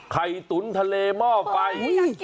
ไข่ตุ๋นทะเลหม้อไป